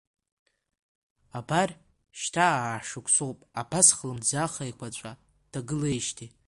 Абар шьҭа аа-шықәсоуп абас хлымӡаах еиқәаҵәа дҭагылеижьҭеи.